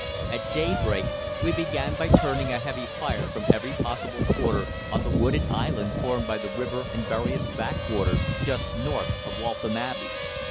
At daybreak we began by turning a heavy fire from every possible quarter on the wooded island formed by the river and various back waters just north of Waltham Abbey.